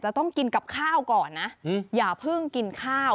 ต้องกินกับข้าวก่อนนะอย่าเพิ่งกินข้าว